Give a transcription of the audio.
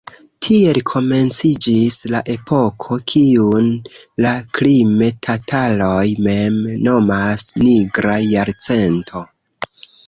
Tiel komenciĝis la epoko, kiun la krime-tataroj mem nomas "Nigra jarcento".